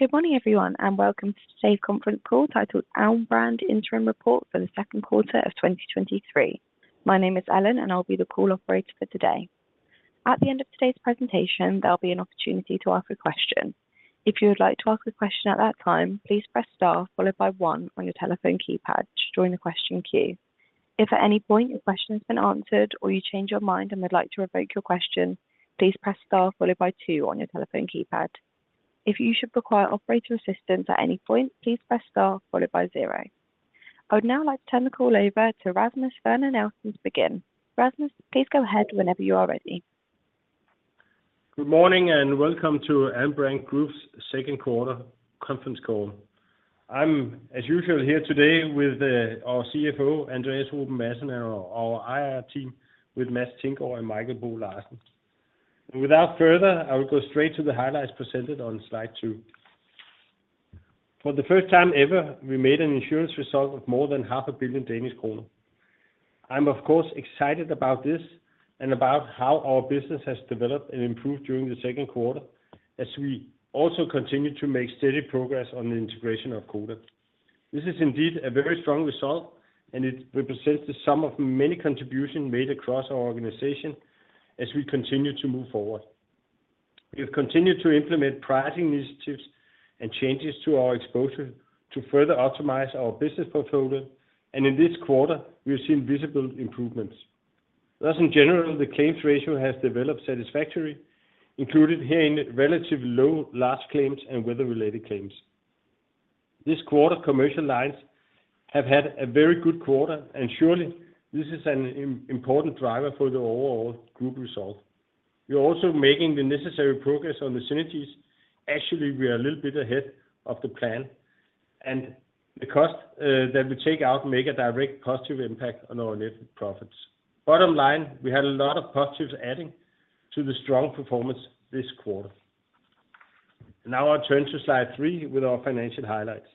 Good morning, everyone, and welcome to today's conference call titled Alm. Brand Interim Report for the second quarter of 2023. My name is Ellen, and I'll be the call operator for today. At the end of today's presentation, there'll be an opportunity to ask a question. If you would like to ask a question at that time, please press star followed by 1 on your telephone keypad to join the question queue. If at any point your question has been answered or you change your mind and would like to revoke your question, please press star followed by 2 on your telephone keypad. If you should require operator assistance at any point, please press star followed by 0. I would now like to turn the call over to Rasmus Werner Nielsen to begin. Rasmus, please go ahead whenever you are ready. Good morning, and welcome to Alm. Brand Group's second quarter conference call. I'm, as usual, here today with our CFO, Andreas Madsen, and our IR team with Mads Tinggaard and Mikael Larsen. Without further, I will go straight to the highlights presented on slide two. For the first time ever, we made an insurance result of more than 500,000,000 Danish kroner. I'm, of course, excited about this and about how our business has developed and improved during the second quarter, as we also continue to make steady progress on the integration of Codan. This is indeed a very strong result, and it represents the sum of many contributions made across our organization as we continue to move forward. We have continued to implement pricing initiatives and changes to our exposure to further optimize our business portfolio, and in this quarter, we have seen visible improvements. In general, the claims ratio has developed satisfactory, including here in relatively low large claims and weather-related claims. This quarter, Commercial lines have had a very good quarter, and surely this is an important driver for the overall group result. We are also making the necessary progress on the synergies. Actually, we are a little bit ahead of the plan, and the cost that we take out make a direct positive impact on our net profits. Bottom line, we had a lot of positives adding to the strong performance this quarter. Now I turn to slide 3 with our financial highlights.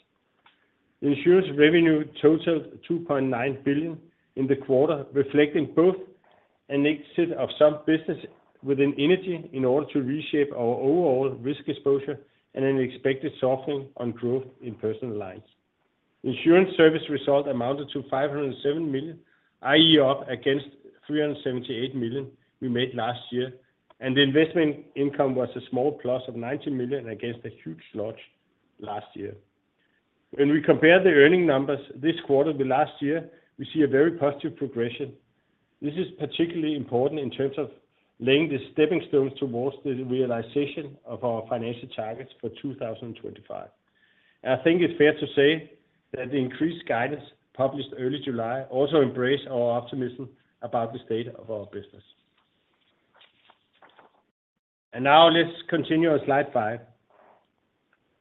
Insurance revenue totaled 2,900,000,000 in the quarter, reflecting both an exit of some business within Energy in order to reshape our overall risk exposure and an expected softening on growth in Personal lines. Insurance service result amounted to 507,000,000, i.e, up against 378,000,000 we made last year, and the investment income was a small plus of 90,000,000 against a huge loss last year. When we compare the earning numbers this quarter with last year, we see a very positive progression. This is particularly important in terms of laying the stepping stones towards the realization of our financial targets for 2025. I think it's fair to say that the increased guidance, published early July, also embrace our optimism about the state of our business. Now let's continue on slide five.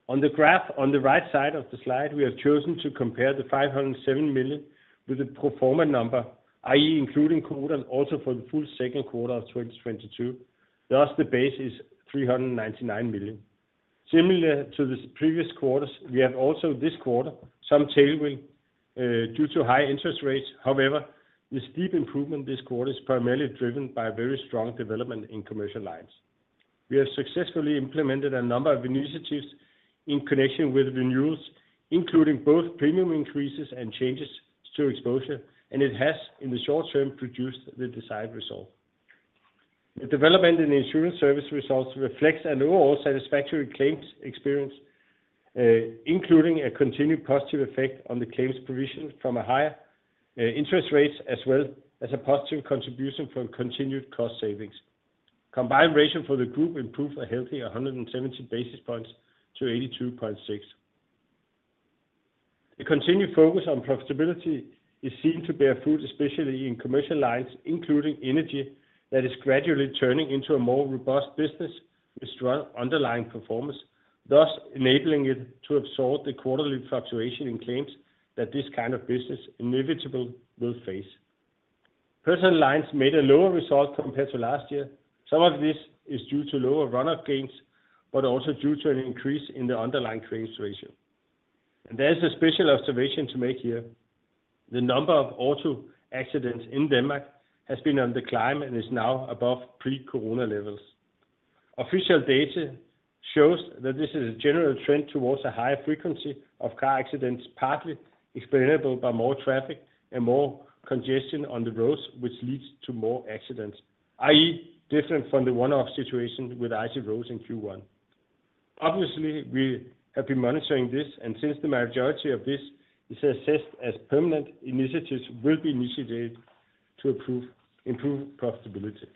On the graph on the right side of the slide, we have chosen to compare the 507,000,000 with the pro forma number, i.e, including quotas also for the full second quarter of 2022. Thus, the base is 399,000,000. Similar to the previous quarters, we have also this quarter, some tailwind due to high interest rates. However, the steep improvement this quarter is primarily driven by a very strong development in commercial lines. We have successfully implemented a number of initiatives in connection with renewals, including both premium increases and changes to exposure, and it has, in the short term, produced the desired result. The development in the insurance service results reflects an overall satisfactory claims experience, including a continued positive effect on the claims provision from a higher interest rates, as well as a positive contribution from continued cost savings. Combined ratio for the group improved a healthy 170 basis points to 82.6. A continued focus on profitability is seen to bear fruit, especially in Commercial lines, including Energy, that is gradually turning into a more robust business with strong underlying performance, thus enabling it to absorb the quarterly fluctuation in claims that this kind of business inevitable will face. Personal lines made a lower result compared to last year. Some of this is due to lower runoff gains, but also due to an increase in the underlying claims ratio. There's a special observation to make here. The number of auto accidents in Denmark has been on the climb and is now above pre-Corona levels. Official data shows that this is a general trend towards a higher frequency of car accidents, partly explainable by more traffic and more congestion on the roads, which leads to more accidents, i.e., different from the 1-off situation with icy roads in Q1. Obviously, we have been monitoring this, and since the majority of this is assessed as permanent, initiatives will be initiated to improve, improve profitability.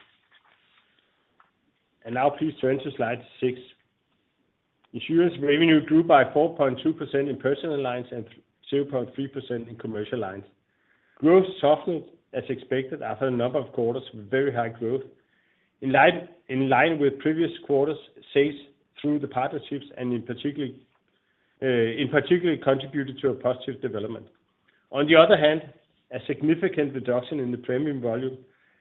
Now please turn to slide 6. Insurance revenue grew by 4.2% in personal lines and 2.3% in commercial lines. Growth softened, as expected, after a number of quarters with very high growth. In line, in line with previous quarters, sales through the partnerships and in particular, in particular, contributed to a positive development. On the other hand, a significant reduction in the premium volume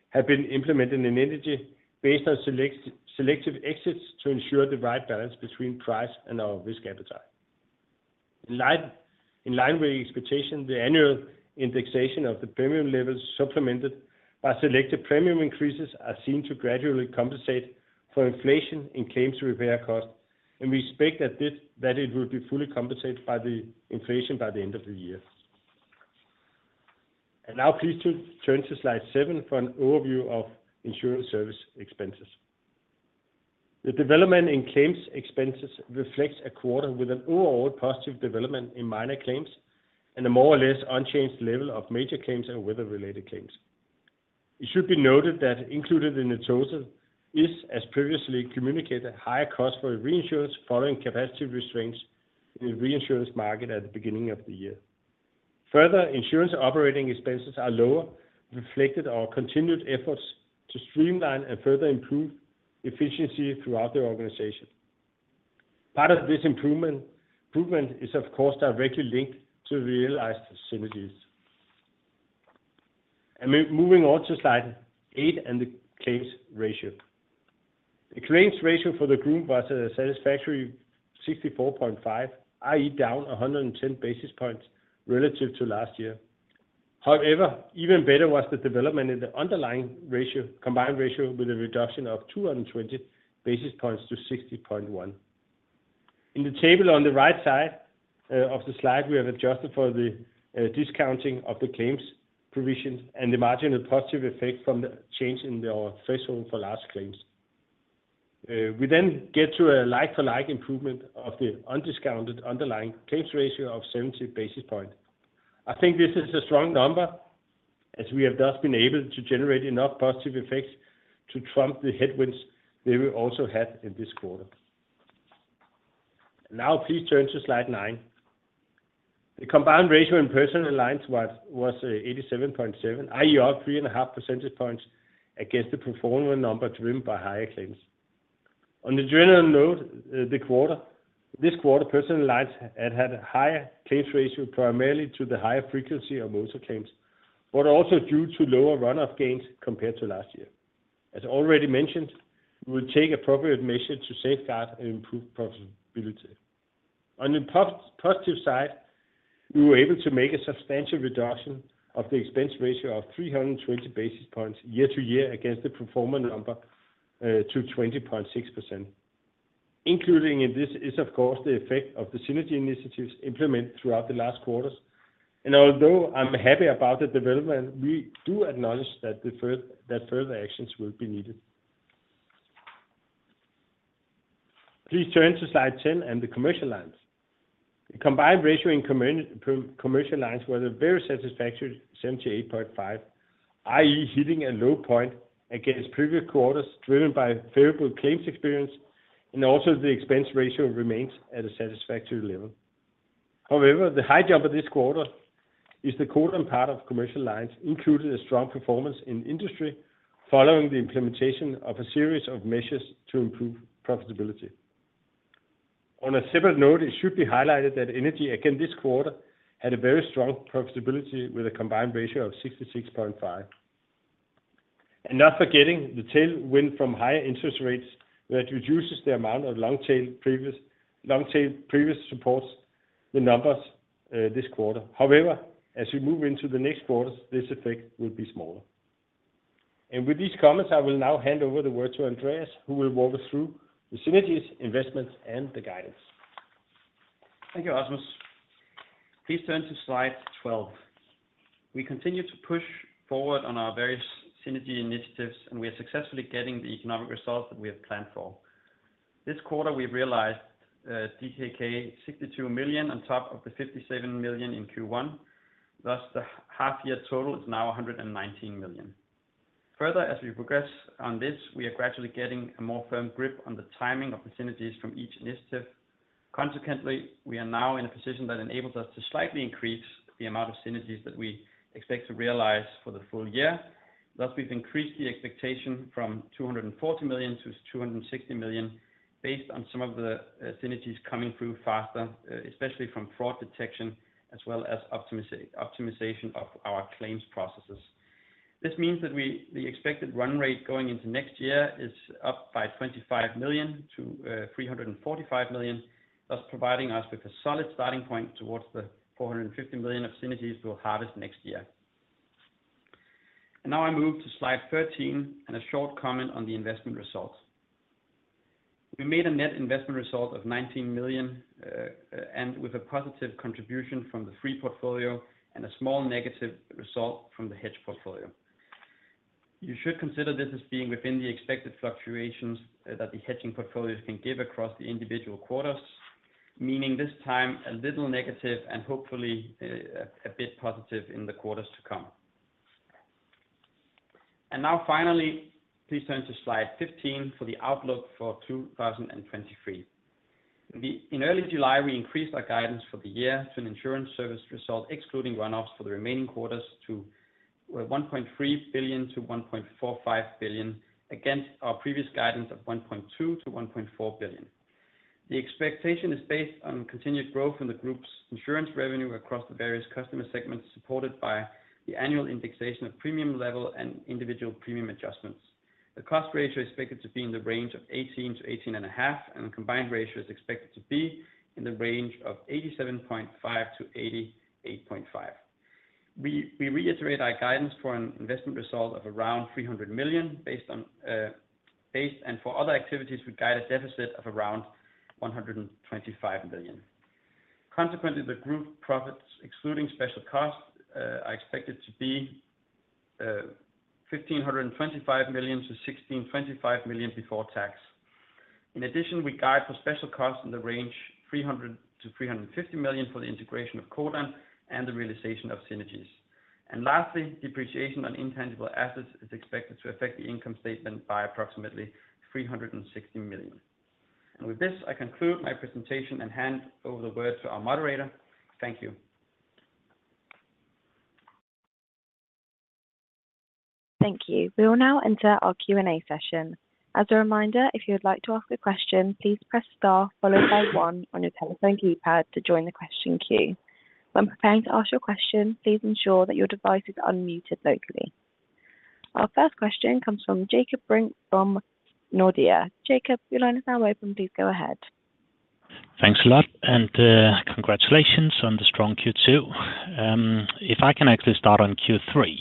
have been implemented in energy based on select-selective exits to ensure the right balance between price and our risk appetite.... in line with the expectation, the annual indexation of the premium levels supplemented by selected premium increases are seen to gradually compensate for inflation in claims repair costs, and we expect that it will be fully compensated by the inflation by the end of the year. Now please turn to slide 7 for an overview of insurance service expenses. The development in claims expenses reflects a quarter with an overall positive development in minor claims and a more or less unchanged level of major claims and weather-related claims. It should be noted that included in the total is, as previously communicated, higher cost for reinsurance following capacity restraints in the reinsurance market at the beginning of the year. Insurance operating expenses are lower, reflected our continued efforts to streamline and further improve efficiency throughout the organization. Part of this improvement, improvement is of course, directly linked to the realized synergies. Moving on to slide 8 and the claims ratio. The claims ratio for the group was a satisfactory 64.5, i.e., down 110 basis points relative to last year. However, even better was the development in the underlying ratio, combined ratio with a reduction of 220 basis points to 60.1. In the table on the right side of the slide, we have adjusted for the discounting of the claims provisions and the marginal positive effect from the change in our threshold for large claims. We then get to a like for like improvement of the undiscounted underlying claims ratio of 70 basis point. I think this is a strong number, as we have thus been able to generate enough positive effects to trump the headwinds that we also had in this quarter. Now, please turn to slide 9. The combined ratio in Personal lines was, was 87.7, i.e., up 3.5 percentage points against the pro forma number driven by higher claims. On the general note, this quarter, Personal lines had, had a higher claims ratio, primarily to the higher frequency of motor claims, but also due to lower runoff gains compared to last year. As already mentioned, we will take appropriate measures to safeguard and improve profitability. On the positive side, we were able to make a substantial reduction of the expense ratio of 320 basis points year-to-year against the pro forma number, to 20.6%. Including in this is, of course, the effect of the synergy initiatives implemented throughout the last quarters, and although I'm happy about the development, we do acknowledge that further actions will be needed. Please turn to slide 10 and the Commercial lines. The Combined ratio in Commercial lines was a very satisfactory 78.5, i.e., hitting a low point against previous quarters, driven by favorable claims experience, and also the expense ratio remains at a satisfactory level. However, the high jump of this quarter is the quota on part of Commercial lines, including a strong performance in industry, following the implementation of a series of measures to improve profitability. On a separate note, it should be highlighted that Energy, again, this quarter, had a very strong profitability with a Combined ratio of 66.5. Not forgetting the tailwind from higher interest rates, that reduces the amount of long tail provisions, long tail provisions supports the numbers this quarter. However, as we move into the next quarters, this effect will be smaller. With these comments, I will now hand over the word to Andreas, who will walk us through the synergies, investments, and the guidance. Thank you, Rasmus. Please turn to slide 12. We continue to push forward on our various synergy initiatives, and we are successfully getting the economic results that we have planned for. This quarter, we've realized DKK 62,000,000 on top of the 57,000,000 in Q1. Thus, the half year total is now 119,000,000. Further, as we progress on this, we are gradually getting a more firm grip on the timing of the synergies from each initiative. Consequently, we are now in a position that enables us to slightly increase the amount of synergies that we expect to realize for the full year. Thus, we've increased the expectation from 240,000,000-260,000,000, based on some of the synergies coming through faster, especially from fraud detection, as well as optimization of our claims processes. This means that the expected run rate going into next year is up by 25,000,000-345,000,000, thus providing us with a solid starting point towards the 450,000,000 of synergies we will harvest next year. Now I move to slide 13, and a short comment on the investment results. We made a net investment result of 19,000,000, and with a positive contribution from the free portfolio and a small negative result from the hedge portfolio. You should consider this as being within the expected fluctuations that the hedging portfolios can give across the individual quarters, meaning this time a little negative and hopefully a bit positive in the quarters to come. Now finally, please turn to slide 15 for the outlook for 2023. We in early July, we increased our guidance for the year to an insurance service result, excluding runoffs for the remaining quarters, to 1,300,000,000-1,450,000,000, against our previous guidance of 1,200,000,000-1,400,000,000. The expectation is based on continued growth in the group's insurance revenue across the various customer segments, supported by the annual indexation of premium level and individual premium adjustments. The cost ratio is expected to be in the range of 18%-18.5%, and the combined ratio is expected to be in the range of 87.5%-88.5%. We, we reiterate our guidance for an investment result of around 300,000,000, based on, based and for other activities, we guide a deficit of around 125,000,000,000. Consequently, the group profits, excluding special costs, are expected to be 1,525,000,000-1,625,000,000 before tax. In addition, we guide for special costs in the range 300,000,000-350,000,000 for the integration of Codan and the realization of synergies. Lastly, depreciation on intangible assets is expected to affect the income statement by approximately 360,000,000. With this, I conclude my presentation and hand over the word to our moderator. Thank you. Thank you. We will now enter our Q&A session. As a reminder, if you would like to ask a question, please press star followed by 1 on your telephone keypad to join the question queue. When preparing to ask your question, please ensure that your device is unmuted locally. Our first question comes from Jakob Brink from Nordea. Jakob, your line is now open. Please go ahead. Thanks a lot. Congratulations on the strong Q2. If I can actually start on Q3.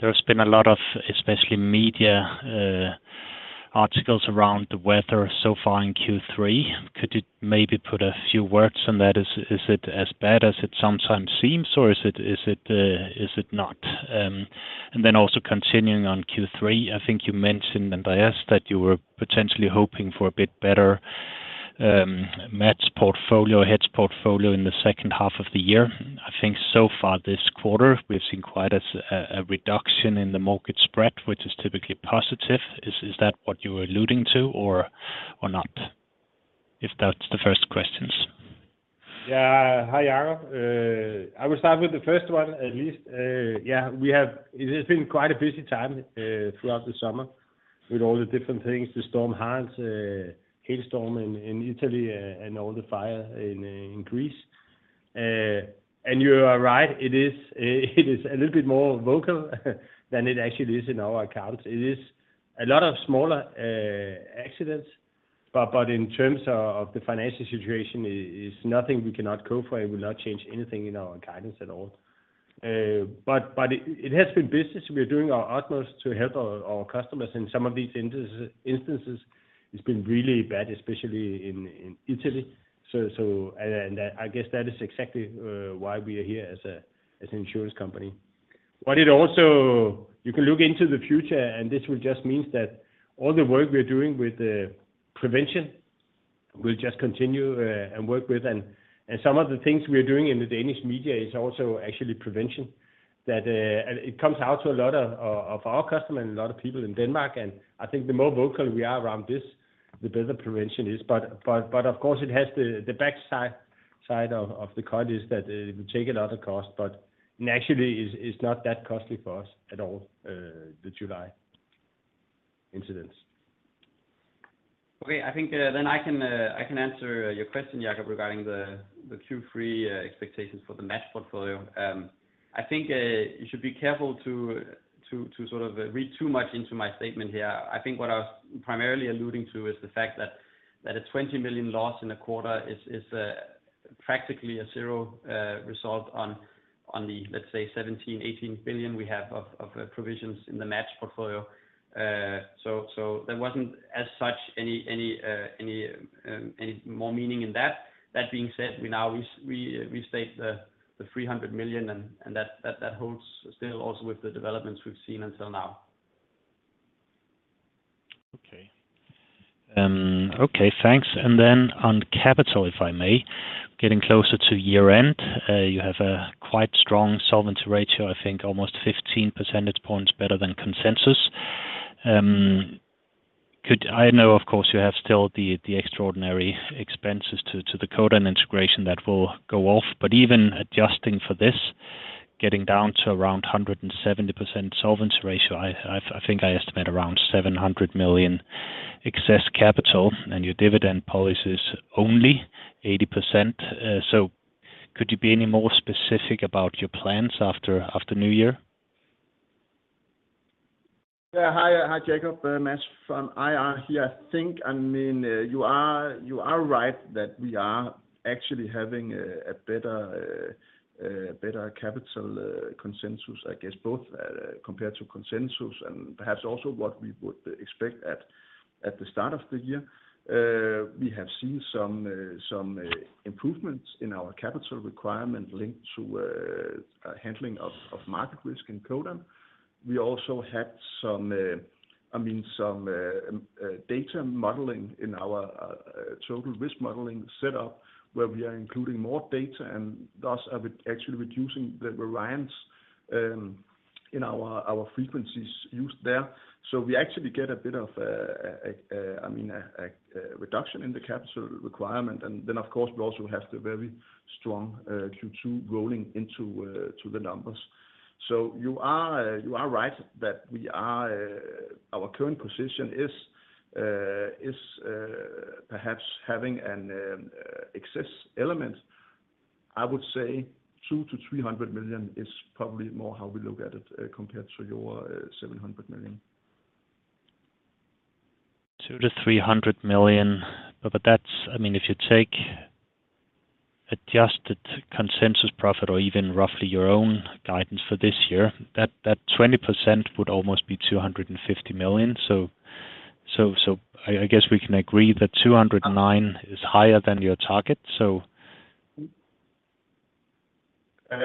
There has been a lot of, especially media, articles around the weather so far in Q3. Could you maybe put a few words on that? Is, is it as bad as it sometimes seems, or is it, is it, is it not? Then also continuing on Q3, I think you mentioned, and I asked, that you were potentially hoping for a bit better match portfolio, hedge portfolio in the second half of the year. I think so far this quarter, we've seen quite a, a, a reduction in the market spread, which is typically positive. Is, is that what you were alluding to or, or not? That's the first questions. Yeah. Hi, Jakob. I will start with the first one at least. It has been quite a busy time throughout the summer with all the different things, the Storm Hans, hailstorm in Italy, and all the fire in Greece. You are right, it is, it is a little bit more vocal than it actually is in our accounts. It is a lot of smaller accidents, but, but in terms of, of the financial situation, it is nothing we cannot go for. It will not change anything in our guidance at all. But it, it has been busy, so we are doing our utmost to help our, our customers. In some of these instances, it's been really bad, especially in, in Italy. I guess that is exactly why we are here as an insurance company. It also, you can look into the future, and this will just means that all the work we are doing with the prevention, we'll just continue and work with. Some of the things we are doing in the Danish media is also actually prevention. It comes out to a lot of our customers and a lot of people in Denmark, and I think the more vocal we are around this, the better prevention is. Of course, it has the backside of the coin is that it will take a lot of cost, but naturally is not that costly for us at all, the July incidents. Okay, I think, then I can answer your question, Jakob, regarding the Q3 expectations for the match portfolio. I think, you should be careful to, to, to sort of read too much into my statement here. I think what I was primarily alluding to is the fact that, that a 20,000,000 loss in a quarter is, is, practically a 0 result on, on the, let's say, 17,000,000,000-18,000,000,000 we have of, of, provisions in the match portfolio. There wasn't, as such, any, any, any, any more meaning in that. That being said, we now, we, we, we state the 300,000,000, and, and that, that, that holds still also with the developments we've seen until now. Okay. Okay, thanks. Then on capital, if I may, getting closer to year-end, you have a quite strong solvency ratio, I think almost 15 percentage points better than consensus. I know, of course, you have still the, the extraordinary expenses to, to the Codan integration that will go off, but even adjusting for this, getting down to around 170% solvency ratio, I, I, I think I estimate around 700,000,000 excess capital, and your dividend policy is only 80%. Could you be any more specific about your plans after, after New Year? Hi, hi, Jakob, Mads from IR here. I think, I mean, you are, you are right that we are actually having a better better capital consensus, I guess, both compared to consensus and perhaps also what we would expect at the start of the year. We have seen some some improvements in our capital requirement linked to handling of of market risk in Codan. We also had some, I mean, some data modeling in our total risk modeling setup, where we are including more data and thus actually reducing the variance in our our frequencies used there. So we actually get a bit of, I mean, a reduction in the capital requirement. Then, of course, we also have the very strong Q2 rolling into to the numbers. You are, you are right that we are, our current position is, is, perhaps having an excess element. I would say 200,000,000-300,000,000 is probably more how we look at it, compared to your 700,000,000. 200,000,000-300,000,000. I mean, if you take adjusted consensus profit or even roughly your own guidance for this year, that 20% would almost be 250,000,000. I guess we can agree that 209 is higher than your target, so?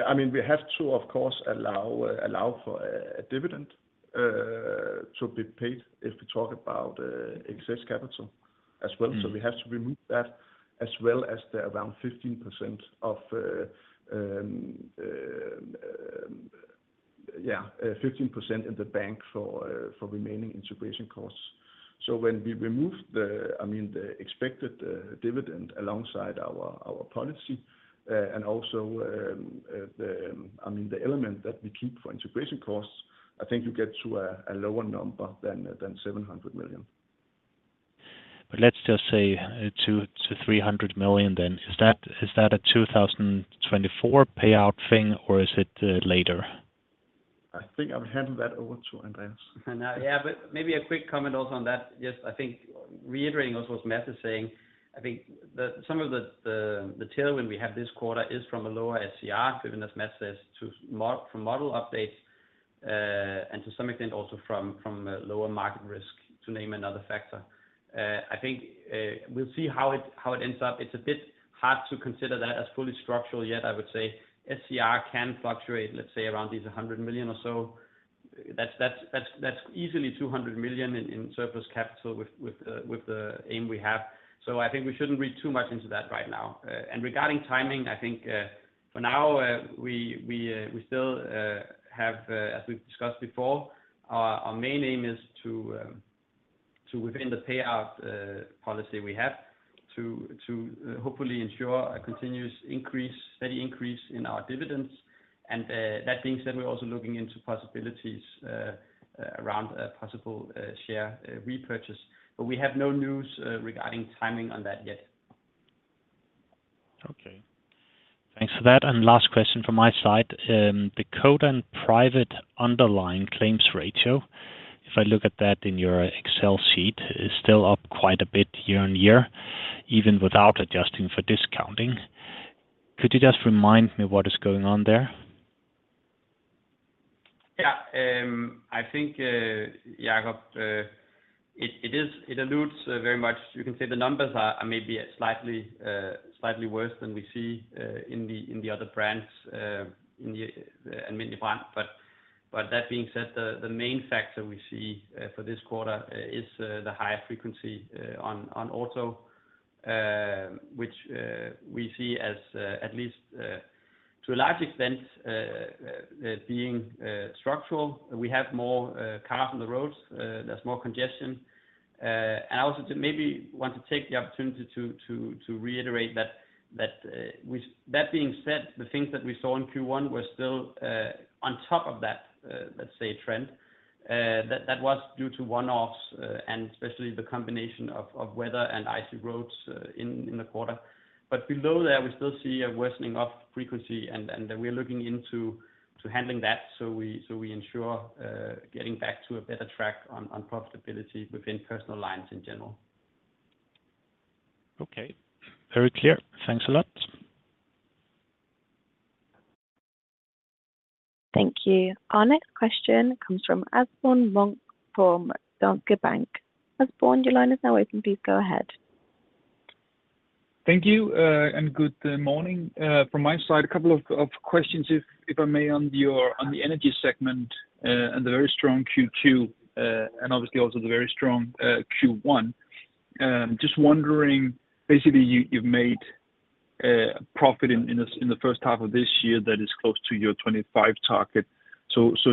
I mean, we have to, of course, allow, allow for a dividend to be paid if we talk about excess capital as well. We have to remove that as well as the around 15% of 15% in the bank for remaining integration costs. When we remove the, I mean, the expected dividend alongside our policy, and also the, I mean, the element that we keep for integration costs, I think you get to a lower number than 700,000,000. Let's just say 200,000,000-300,000,000 then. Is that, is that a 2024 payout thing, or is it later? I think I would hand that over to Andreas. Yeah, maybe a quick comment also on that. Yes, I think reiterating also what Mads is saying, I think the, some of the, the, the tailwind we have this quarter is from a lower SCR, given, as Mads says, from model updates, and to some extent also from, from, lower market risk, to name another factor. I think we'll see how it, how it ends up. It's a bit hard to consider that as fully structural, yet I would say SCR can fluctuate, let's say, around these 100,000,000 or so. That's, that's, that's, that's easily 200,000,000 in, in surplus capital with, with the, with the aim we have. I think we shouldn't read too much into that right now. Regarding timing, I think for now, we, we, we still have, as we've discussed before, our, our main aim is to, to within the payout, policy we have to, to hopefully ensure a continuous increase, steady increase in our dividends. That being said, we're also looking into possibilities, around a possible, share, repurchase, but we have no news, regarding timing on that yet. Okay. Thanks for that. Last question from my side. The Codan and Privatsikring underlying claims ratio, if I look at that in your Excel sheet, is still up quite a bit year-on-year, even without adjusting for discounting. Could you just remind me what is going on there? Yeah. I think Jakob, it alludes very much. You can say the numbers are maybe slightly slightly worse than we see in the other brands, in the Alm. Brand. That being said, the main factor we see for this quarter is the higher frequency on auto, which we see as at least to a large extent it being structural. We have more cars on the roads, there's more congestion. I also maybe want to take the opportunity to reiterate that that being said, the things that we saw in Q1 were still on top of that trend. That, that was due to one-offs, and especially the combination of, of weather and icy roads, in, in the quarter. Below that, we still see a worsening of frequency, and, and we are looking into to handling that so we, so we ensure, getting back to a better track on, on profitability within personal lines in general. Okay. Very clear. Thanks a lot. Thank you. Our next question comes from Asbjørn Mørk from Danske Bank. Asbjørn, your line is now open. Please go ahead. Thank you. Good morning from my side. A couple of questions, if I may, on your, on the Energy segment, and the very strong Q2, and obviously also the very strong Q1. Just wondering, basically, you, you've made profit in the first half of this year that is close to your 25 target.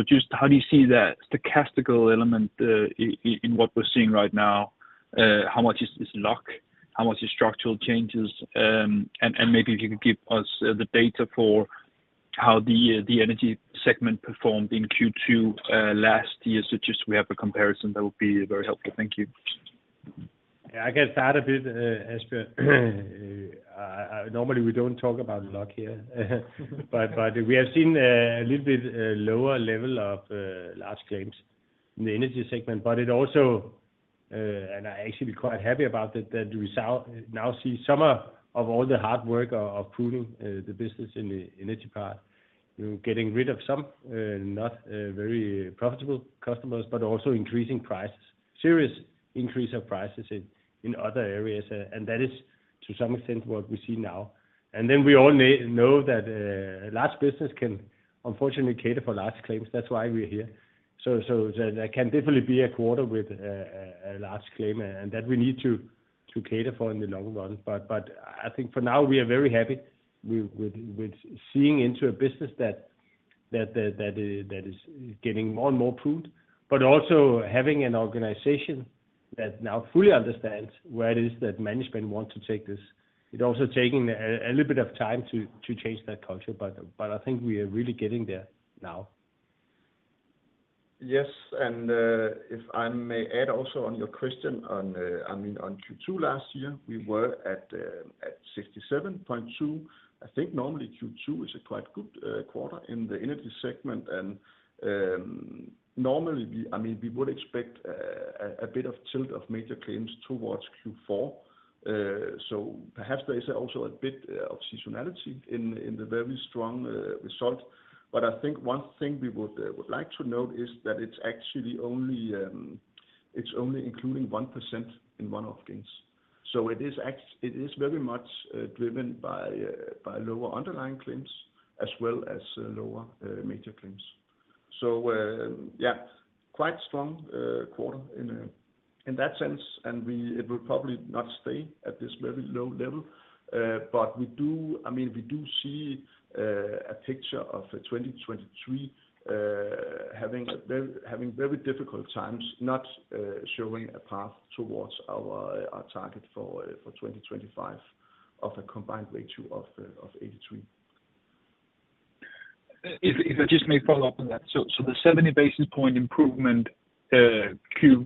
Just how do you see that stochastical element, in what we're seeing right now? How much is luck? How much is structural changes? Maybe if you could give us the data for how the Energy segment performed in Q2 last year, so just we have a comparison, that would be very helpful. Thank you. I can start a bit, Asbjørn. Normally we don't talk about luck here, but we have seen a little bit lower level of large claims in the Energy segment, but it also, and I'm actually quite happy about that, that we now see some of all the hard work of pruning the business in the Energy part. We're getting rid of some, not, very profitable customers, but also increasing prices, serious increase of prices in other areas, and that is, to some extent, what we see now. We all know that large business can unfortunately cater for large claims. That's why we're here. There can definitely be a quarter with a large claim, and that we need to cater for in the long run. I think for now we are very happy with seeing into a business that is getting more and more pruned, but also having an organization that now fully understands where it is that management wants to take this. It's also taking a little bit of time to change that culture, but I think we are really getting there now. Yes, if I may add also on your question on, I mean, on Q2 last year, we were at 67.2. I think normally Q2 is a quite good quarter in the energy segment, and normally, we, I mean, we would expect a bit of tilt of major claims towards Q4. Perhaps there is also a bit of seasonality in the very strong result. I think one thing we would like to note is that it's actually only, it's only including 1% in one-off gains. It is very much driven by lower underlying claims as well as lower major claims. Yeah, quite strong quarter in that sense, it will probably not stay at this very low level. We do, I mean, we do see a picture of 2023 having a very, having very difficult times, not showing a path towards our target for 2025 of a combined ratio of 83. If I just may follow up on that. The 70 basis point improvement, Q2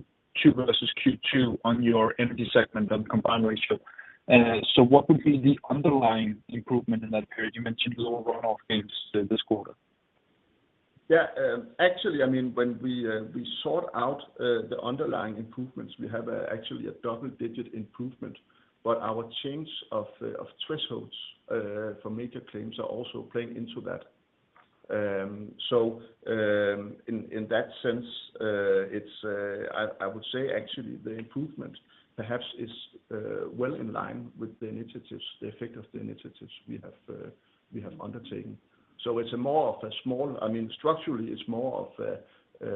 versus Q2 on your Energy segment on combined ratio, so what would be the underlying improvement in that period? You mentioned lower runoff gains this quarter. Yeah, actually, I mean, when we, we sort out, the underlying improvements, we have, actually a double-digit improvement. Our change of, of thresholds, for major claims are also playing into that. In, in that sense, it's, I, I would say actually the improvement perhaps is, well in line with the initiatives, the effect of the initiatives we have, we have undertaken. It's a more of a small-- I mean, structurally, it's more of a,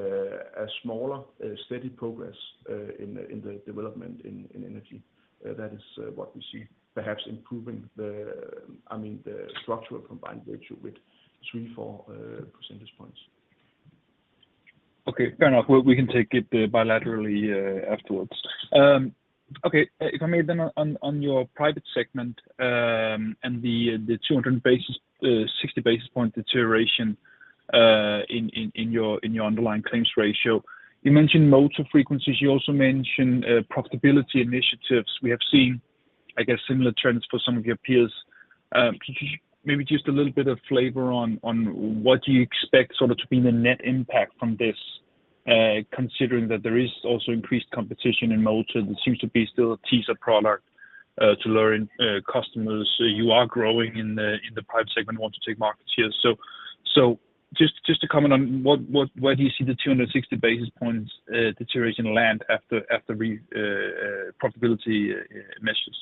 a smaller, steady progress, in the, in the development in, in Energy. That is, what we see, perhaps improving the, I mean, the structural combined ratio with 3, 4 percentage points. Okay, fair enough. Well, we can take it bilaterally afterwards. Okay, if I may then on your private segment, and the 200 basis, 60 basis point deterioration in your underlying claims ratio. You mentioned motor frequencies, you also mentioned profitability initiatives. We have seen, I guess, similar trends for some of your peers. Could you maybe just a little bit of flavor on what do you expect sort of to be the net impact from this, considering that there is also increased competition in motor, that seems to be still a teaser product, to learn customers. You are growing in the private segment, want to take market share. Just to comment on what, where do you see the 260 basis points deterioration land after we profitability measures?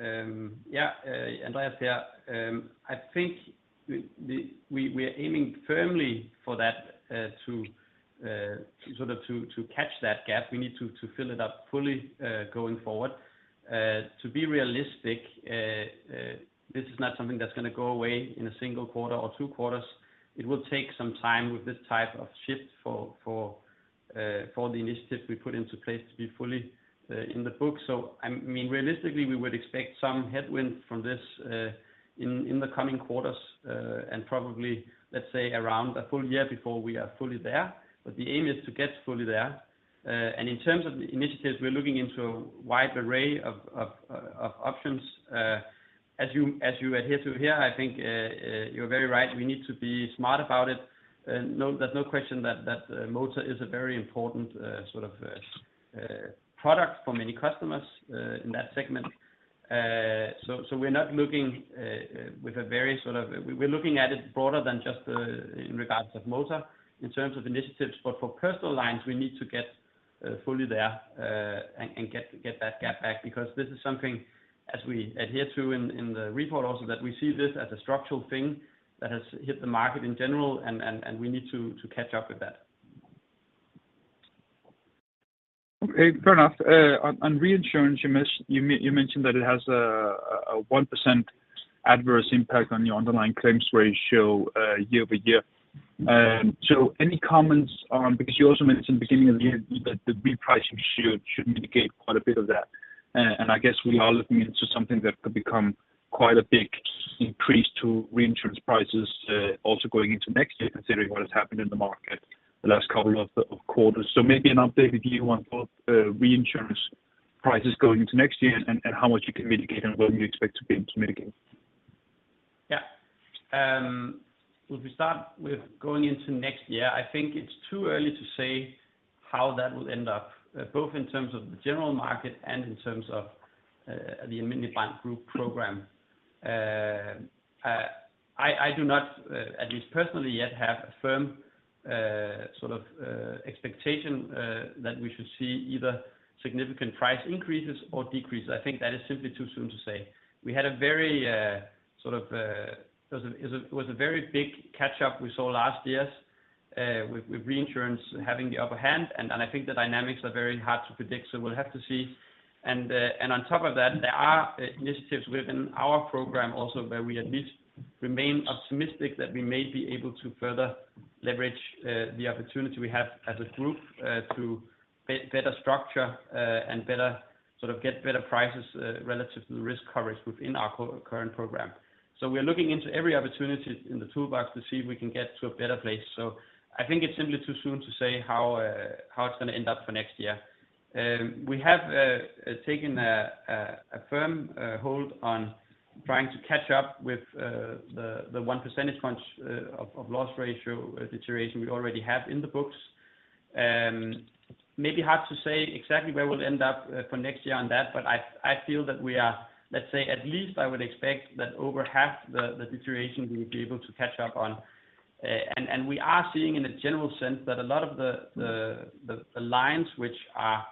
Yeah, Andreas here. I think the, we, we are aiming firmly for that, to, sort of to, to catch that gap. We need to, to fill it up fully, going forward. To be realistic, this is not something that's going to go away in a single quarter or two quarters. It will take some time with this type of shift for, for, for the initiatives we put into place to be fully, in the book. I mean, realistically, we would expect some headwind from this, in, in the coming quarters, and probably, let's say, around a full year before we are fully there. The aim is to get fully there. In terms of the initiatives, we're looking into a wide array of, of, of options. As you, as you adhere to here, I think, you're very right. We need to be smart about it. No, there's no question that, that, motor is a very important, sort of, product for many customers, in that segment. So we're not looking, with a very sort of, we're looking at it broader than just, in regards of motor in terms of initiatives. For personal lines, we need to get, fully there, and, and get, get that gap back, because this is something, as we adhere to in, in the report also, that we see this as a structural thing that has hit the market in general, and, and, and we need to, to catch up with that. Okay, fair enough. On, on reinsurance, you mentioned that it has a 1% adverse impact on your underlying claims ratio year-over-year. Any comments on, because you also mentioned in the beginning of the year that the repricing should, should mitigate quite a bit of that. I guess we are looking into something that could become quite a big increase to reinsurance prices also going into next year, considering what has happened in the market the last couple of quarters. Maybe an update with you on both reinsurance prices going into next year and, and how much you can mitigate and where you expect to be mitigating? Yeah. If we start with going into next year, I think it's too early to say how that will end up, both in terms of the general market and in terms of the Alm. Brand Group program. I, I do not, at least personally, yet have a firm expectation that we should see either significant price increases or decreases. I think that is simply too soon to say. It was a very big catch up we saw last years, with reinsurance having the upper hand. I think the dynamics are very hard to predict, so we'll have to see. On top of that, there are initiatives within our program also where we at least remain optimistic that we may be able to further leverage the opportunity we have as a group to better structure and better, sort of, get better prices relative to the risk coverage within our current program. We are looking into every opportunity in the toolbox to see if we can get to a better place. I think it's simply too soon to say how it's going to end up for next year. We have taken a firm hold on trying to catch up with the 1 percentage point of loss ratio deterioration we already have in the books. Maybe hard to say exactly where we'll end up for next year on that, but I, I feel that we are, let's say at least I would expect that over half the, the deterioration we will be able to catch up on. We are seeing in a general sense that a lot of the, the, the lines which are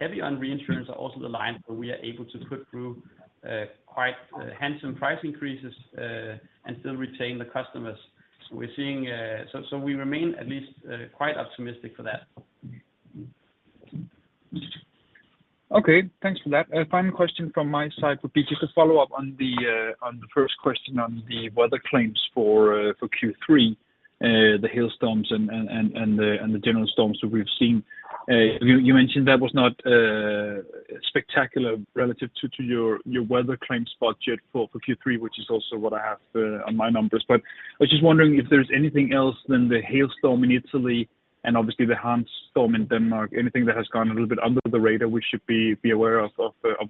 heavy on reinsurance are also the lines where we are able to put through quite handsome price increases and still retain the customers. We're seeing-- so, so we remain at least quite optimistic for that. Okay, thanks for that. Final question from my side would be just to follow up on the first question on the weather claims for Q3. The hailstorms and the general storms that we've seen. You mentioned that was not spectacular relative to your weather claims budget for Q3, which is also what I have on my numbers. I was just wondering if there's anything else than the hailstorm in Italy and obviously the Storm Hans in Denmark, anything that has gone a little bit under the radar, we should be aware of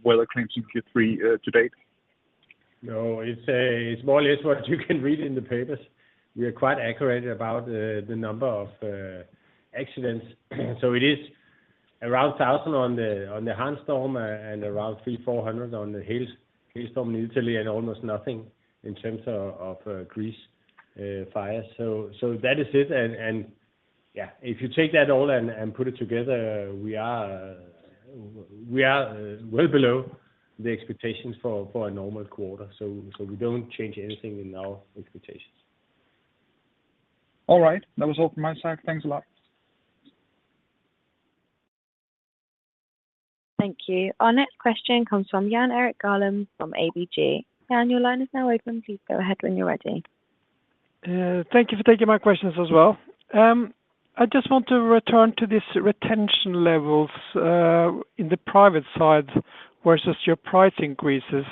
weather claims in Q3 to date? No, it's more or less what you can read in the papers. We are quite accurate about the number of accidents. It is around 1,000 on the Storm Hans and around 300-400 on the hailstorm in Italy, and almost nothing in terms of Greece fire. That is it. Yeah, if you take that all and put it together, we are well below the expectations for a normal quarter. We don't change anything in our expectations. All right. That was all from my side. Thanks a lot. Thank you. Our next question comes from Jan Erik Gjerland from ABG. Jan, your line is now open. Please go ahead when you're ready. Thank you for taking my questions as well. I just want to return to this retention levels in the private side versus your price increases.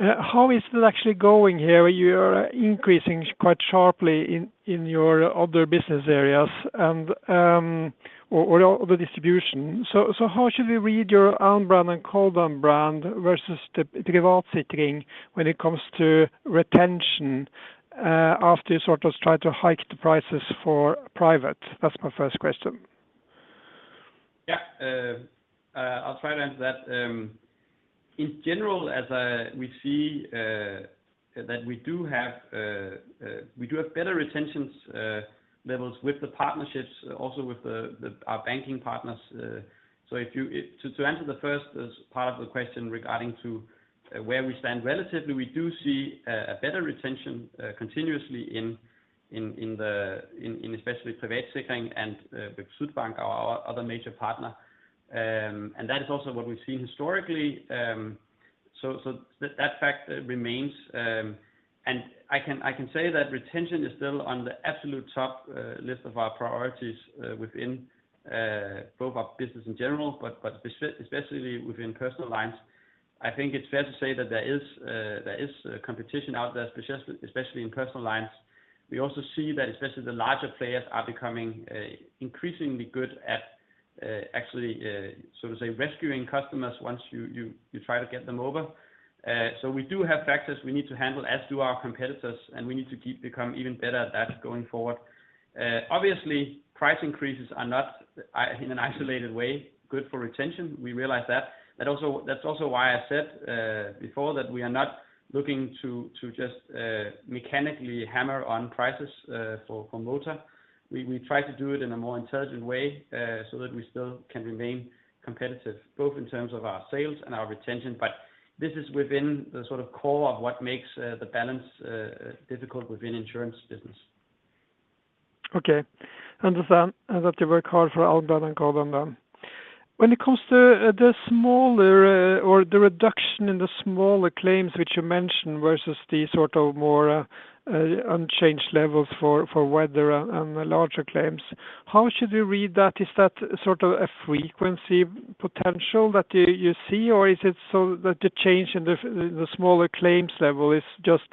How is that actually going here? You are increasing quite sharply in, in your other business areas and, or, or the distribution. So how should we read your own Alm. Brand and core brand versus the Gjensidige when it comes to retention, after you sort of try to hike the prices for private? That's my first question. Yeah. I'll try to answer that. In general, as we see that we do have, we do have better retentions levels with the partnerships, also with our banking partners. So to answer the first part of the question regarding to where we stand relatively, we do see a better retention continuously in the especially Privatsikring and the Sydbank, our other major partner. And that is also what we've seen historically. So that fact remains. And I can say that retention is still on the absolute top list of our priorities within both our business in general, but especially within personal lines. I think it's fair to say that there is there is competition out there, especially, especially in personal lines. We also see that especially the larger players are becoming increasingly good at actually so to say, rescuing customers once you, you, you try to get them over. We do have factors we need to handle, as do our competitors, and we need to keep becoming even better at that going forward. Obviously, price increases are not in an isolated way, good for retention. We realize that. Also, that's also why I said before that we are not looking to, to just mechanically hammer on prices for, for motor. We, we try to do it in a more intelligent way so that we still can remain competitive, both in terms of our sales and our retention. This is within the sort of core of what makes the balance difficult within insurance business. Okay. Understand that you work hard for our brand and core brand. When it comes to the smaller, or the reduction in the smaller claims, which you mentioned, versus the sort of more, unchanged levels for, for weather and the larger claims, how should we read that? Is that sort of a frequency potential that you, you see, or is it so that the change in the, the smaller claims level is just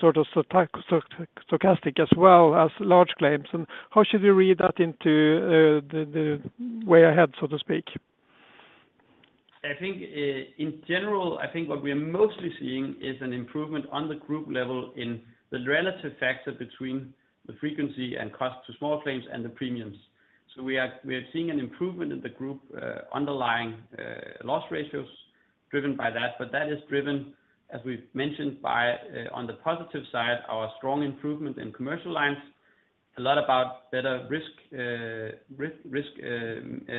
sort of stochastic as well as large claims? How should we read that into the, the way ahead, so to speak? I think, in general, I think what we are mostly seeing is an improvement on the group level in the relative factor between the frequency and cost to small claims and the premiums. We are, we are seeing an improvement in the group underlying loss ratios driven by that, but that is driven, as we've mentioned by, on the positive side, our strong improvement in commercial lines, a lot about better risk, risk, risk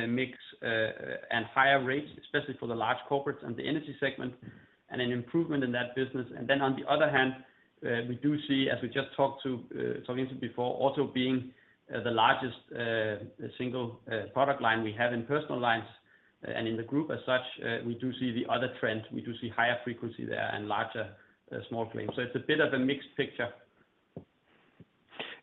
mix, and higher rates, especially for the large corporates and the energy segment, and an improvement in that business. Then on the other hand, we do see, as we just talked to, talking to before, also being the largest single product line we have in personal lines and in the group as such, we do see the other trends. We do see higher frequency there and larger, small claims. It's a bit of a mixed picture.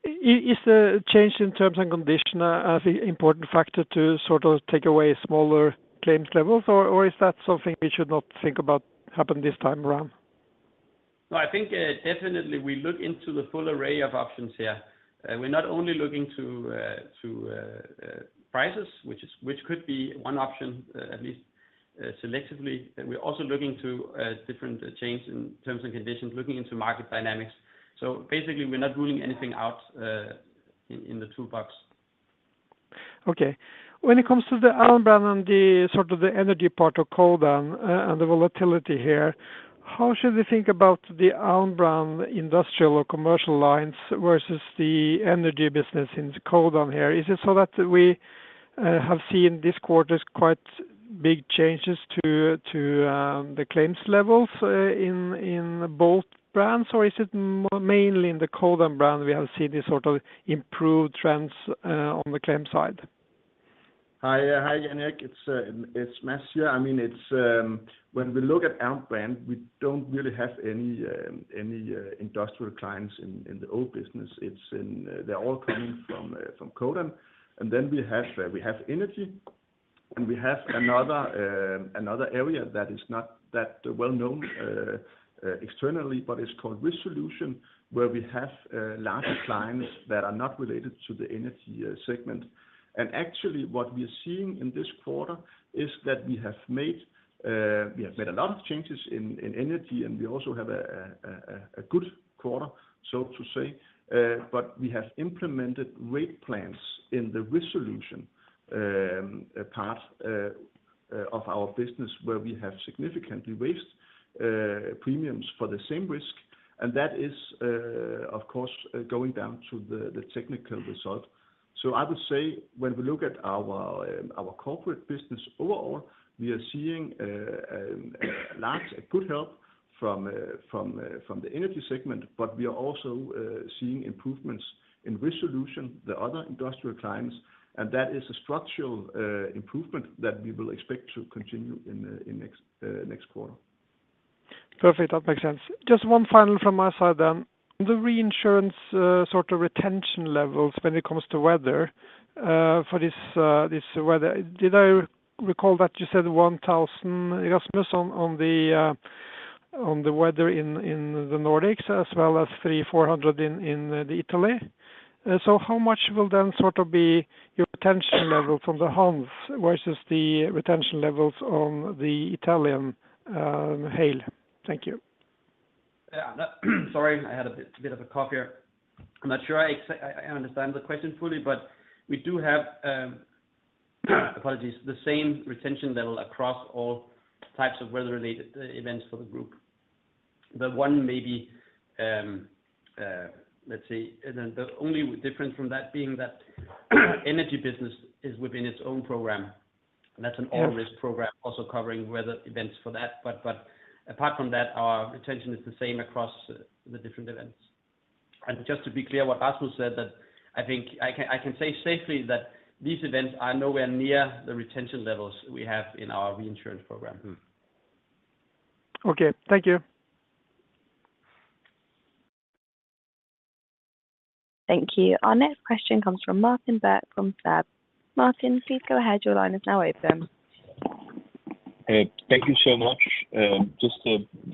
Is the change in terms and conditions as important factor to sort of take away smaller claims levels? Or, or is that something we should not think about happen this time around? ... No, I think, definitely we look into the full array of options here. We're not only looking to, to prices, which is, which could be one option, at least, selectively. We're also looking to different chains in terms and conditions, looking into market dynamics. Basically, we're not ruling anything out, in, in the toolbox. Okay. When it comes to the Alm. Brand and the sort of the Energy part of Codan, and the volatility here, how should we think about the Alm. Brand industrial or Commercial lines versus the Energy business in Codan here? Is it so that we have seen this quarter's quite big changes to, to the claims levels in both brands, or is it more mainly in the Codan brand we have seen this sort of improved trends on the claim side? Hi, hi, Jan Erik. It's, it's Mads here. I mean, when we look at Alm. Brand, we don't really have any, any industrial clients in, in the old business. It's in-- They're all coming from, from Codan. Then we have, we have Energy, and we have another, another area that is not that well known, externally, but it's called resolution, where we have, large clients that are not related to the Energy, segment. Actually, what we are seeing in this quarter is that we have made, we have made a lot of changes in, in Energy, and we also have a, a, a good quarter, so to say. We have implemented rate plans in the resolution part of our business, where we have significantly raised premiums for the same risk, and that is, of course, going down to the technical result. I would say when we look at our corporate business overall, we are seeing large, a good help from the Energy segment, but we are also seeing improvements in resolution, the other industrial clients, and that is a structural improvement that we will expect to continue in the next quarter. Perfect. That makes sense. Just one final from my side then. The reinsurance, sort of retention levels when it comes to weather, for this, this weather. Did I recall that you said 1,000, Rasmus, on, on the, on the weather in, in the Nordics, as well as 300-400 in, in Italy? How much will then sort of be your retention level from the Hans versus the retention levels on the Italian hail? Thank you. Yeah, sorry, I had a bit, a bit of a cough here. I'm not sure I, I understand the question fully, but we do have, apologies, the same retention level across all types of weather-related events for the group. The one maybe, let's see. The, the only difference from that being that Energy business is within its own program, and that's an all-risk program also covering weather events for that. Apart from that, our retention is the same across the different events. Just to be clear, what Rasmus said, that I think I can, I can say safely that these events are nowhere near the retention levels we have in our reinsurance program. Okay, thank you. Thank you. Our next question comes from Martin Birk from SEB. Martin, please go ahead. Your line is now open. Hey, thank you so much. Just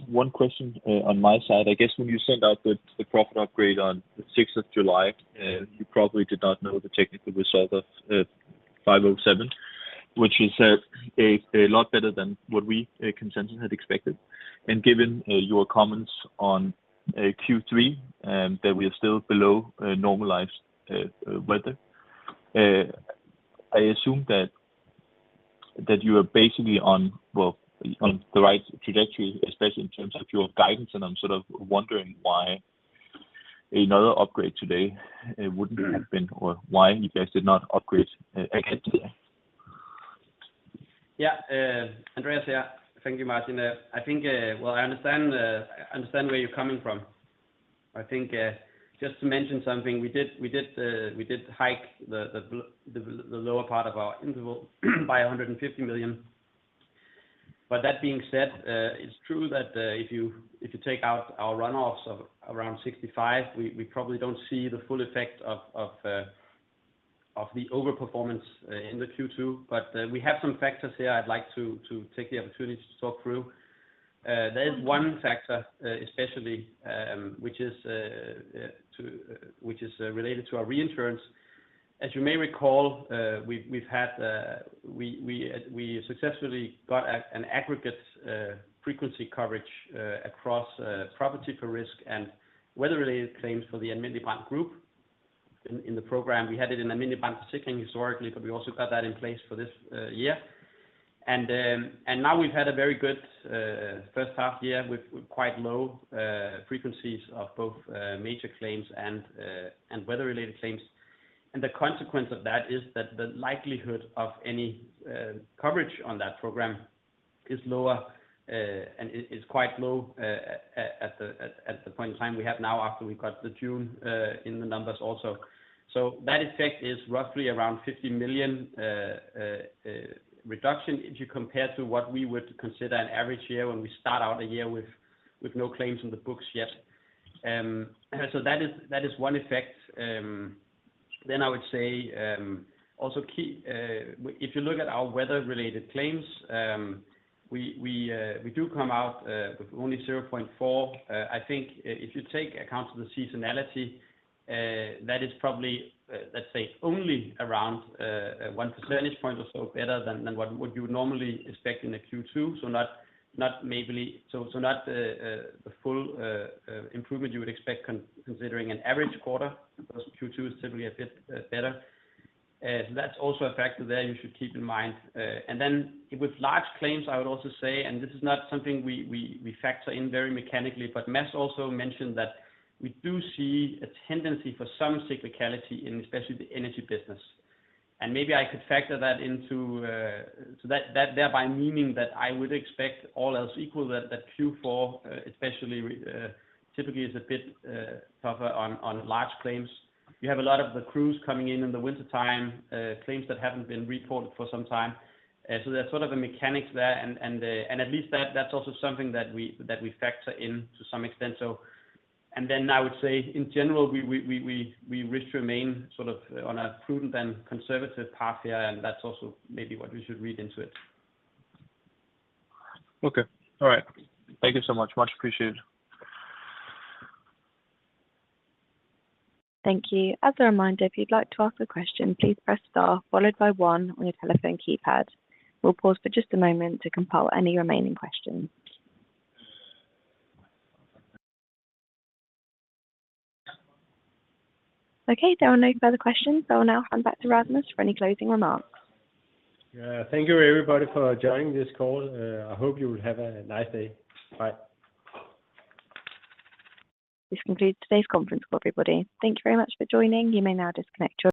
one question on my side. I guess when you send out the profit upgrade on the 6th of July, you probably did not know the technical result of 507, which is a lot better than what we consensus had expected. Given your comments on Q3, that we are still below normalized weather, I assume that you are basically on, well, on the right trajectory, especially in terms of your guidance, and I'm sort of wondering why another upgrade today wouldn't have been, or why you guys did not upgrade again today? Yeah, Andreas here. Thank you, Martin. I think, well, I understand, I understand where you're coming from. I think, just to mention something, we did, we did hike the, the, the, the lower part of our interval, by 150,000,000. That being said, it's true that if you, if you take out our runoffs of around 65, we, we probably don't see the full effect of, of the overperformance in the Q2. We have some factors here I'd like to, to take the opportunity to talk through. There is one factor, especially, which is to, which is related to our reinsurance. As you may recall, we've had we successfully got an Aggregate frequency coverage across property for risk and weather-related claims for the Alm. Brand Group. In the program, we had it in Alm. Brand particularly historically, but we also got that in place for this year. Now we've had a very good first half year with quite low frequencies of both major claims and weather-related claims. The consequence of that is that the likelihood of any coverage on that program is lower and is quite low at the point in time we have now after we got the June in the numbers also. That effect is roughly around 50,000,000 reduction, if you compare to what we would consider an average year when we start out a year with, with no claims on the books yet. That is, that is one effect. I would say, also key, if you look at our weather-related claims, we, we do come out with only 0.4. I think if you take account to the seasonality, that is probably, let's say only around 1 percentage point or so better than, than what you would normally expect in a Q2. Not, not maybe so, so not the full improvement you would expect considering an average quarter, because Q2 is typically a bit better. That's also a factor there you should keep in mind. With large claims, I would also say, and this is not something we, we, we factor in very mechanically, but Mads also mentioned that we do see a tendency for some cyclicality in especially the Energy business. Maybe I could factor that into. So that, thereby meaning that I would expect all else equal, that Q4, especially, typically is a bit tougher on large claims. You have a lot of the crews coming in in the wintertime, claims that haven't been reported for some time. So there's sort of a mechanics there, and, and, at least that, that's also something that we, that we factor in to some extent. And then I would say, in general, we, we, we, we, we wish to remain sort of on a prudent and conservative path here, and that's also maybe what we should read into it. Okay. All right. Thank you so much. Much appreciated. Thank you. As a reminder, if you'd like to ask a question, please press star followed by one on your telephone keypad. We'll pause for just a moment to compile any remaining questions. Okay, there are no further questions, so I'll now hand back to Rasmus for any closing remarks. Yeah. Thank you, everybody, for joining this call. I hope you will have a nice day. Bye. This concludes today's conference, everybody. Thank you very much for joining. You may now disconnect your-